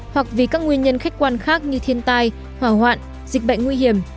hoặc vì các nguyên nhân khách quan khác như thiên tai hỏa hoạn dịch bệnh nguy hiểm